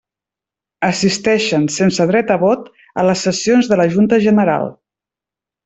Assisteixen, sense dret a vot, a les sessions de la Junta General.